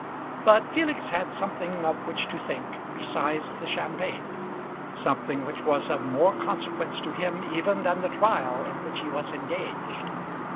But Felix had something of which to think besides the champagne something which was of more consequence to him even than the trial in which he was engaged.